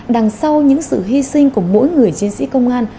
đằng sau những sự hy sinh của mỗi người chiến sĩ công an